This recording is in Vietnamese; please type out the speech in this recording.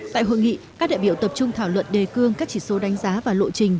tại hội nghị các đại biểu tập trung thảo luận đề cương các chỉ số đánh giá và lộ trình